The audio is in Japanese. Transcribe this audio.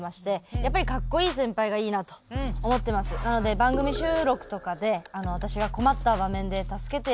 なので番組収録とかで私が困った場面で助けてくれるような。